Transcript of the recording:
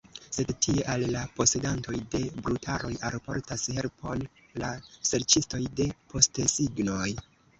Sed tie al la posedantoj de brutaroj alportas helpon la serĉistoj de postesignoj.